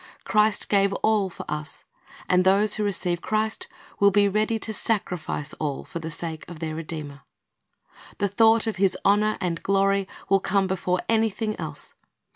Christ gave all for \'..,, us, and those who receive Christ will be ready to sacrifice all for the sake of their Redeemer. The thought of His honor and glory will come before anything else.